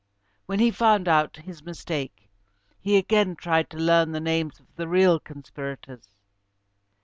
When he found out his mistake, he again tried to learn the names of the real conspirators.